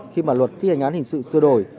khi mà luật thi hình án hình sự xưa đổi